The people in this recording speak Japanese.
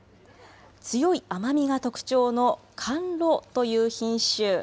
強い甘みが特徴の甘露という品種。